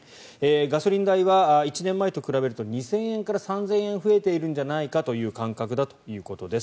ガソリン代は１年前と比べると２０００円から３０００円増えているんじゃないかという感覚だということです。